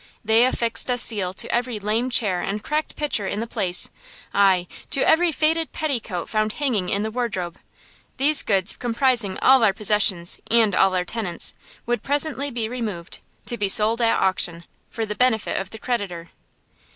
They affixed a seal to every lame chair and cracked pitcher in the place; aye, to every faded petticoat found hanging in the wardrobe. These goods, comprising all our possessions and all our tenant's, would presently be removed, to be sold at auction, for the benefit of the creditor.